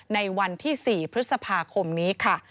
ในวันที่๔พฤษภาคมนี้ค่ะ